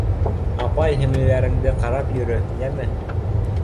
Апай-һеңлеләреңде ҡарап йөрө, йәме.